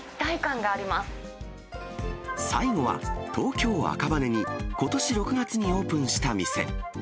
最後は、東京・赤羽にことし６月にオープンした店。